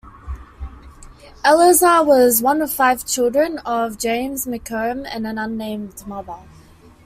Eleazer was one of five children of James McComb and an unnamed mother.